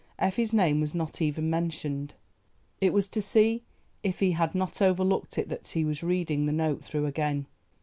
Effie's name was not even mentioned. It was to see if he had not overlooked it that he was reading the note through again.